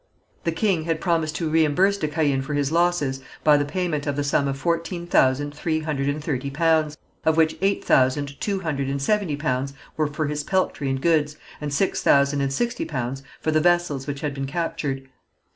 The king had promised to reimburse de Caën for his losses by the payment of the sum of fourteen thousand three hundred and thirty pounds, of which eight thousand two hundred and seventy pounds were for his peltry and goods, and six thousand and sixty pounds for the vessels which had been captured.